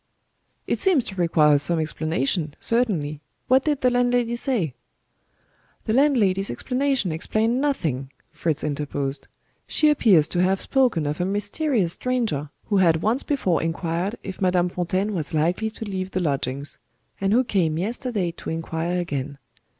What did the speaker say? "It seems to require some explanation, certainly. What did the landlady say?" "The landlady's explanation explained nothing," Fritz interposed. "She appears to have spoken of a mysterious stranger, who had once before inquired if Madame Fontaine was likely to leave the lodgings and who came yesterday to inquire again.